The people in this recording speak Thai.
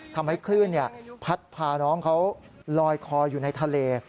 ทำให้คลื่นพัดพาน้องเขาลอยคออยู่ในทะเล